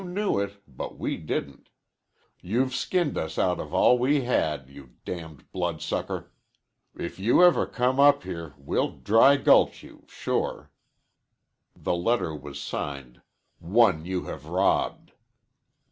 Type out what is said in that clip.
You knew it, but we didn't. You've skinned us out of all we had, you damned bloodsucker. If you ever come up here we'll dry gulch you, sure. The letter was signed, "One You Have Robbed."